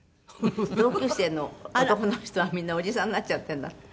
「同級生の男の人はみんなおじさんになっちゃってるんだって？」